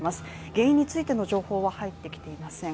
原因についての情報は入ってきていません。